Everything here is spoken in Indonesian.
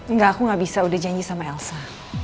enggak aku gak bisa udah janji sama elsa